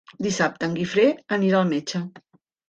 Dissabte en Guifré anirà al metge.